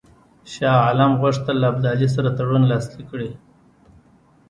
شاه عالم غوښتل له ابدالي سره تړون لاسلیک کړي.